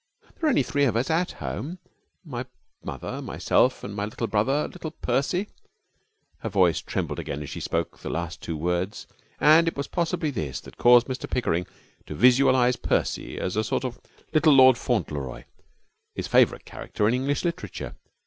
There are only three of us at home: my mother, myself, and my little brother little Percy.' Her voice trembled again as she spoke the last two words, and it was possibly this that caused Mr Pickering to visualize Percy as a sort of little Lord Fauntleroy, his favourite character in English literature.